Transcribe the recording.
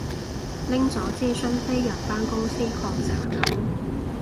拎咗支雙飛人返公司狂搽緊